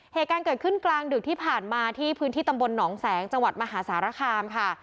เหตุการณ์เกิดขึ้นกลางดึกที่ผ่านมาที่พื้นที่ตำบลหนองแสงจังหวัดมหาสารคามค่ะ